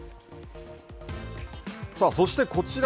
そして、こちら。